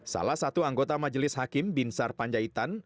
salah satu anggota majelis hakim binsar panjaitan